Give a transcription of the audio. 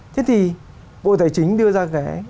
thế thì bộ tài chính đưa ra cái